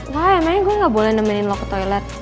wah emangnya gue gak boleh nemenin lo ke toilet